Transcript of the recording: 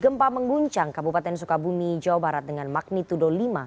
gempa mengguncang kabupaten sukabumi jawa barat dengan magnitudo lima